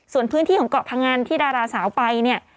ส่วนพื้นที่ของเกาะพงันที่ดาราสาวไปเนี่ย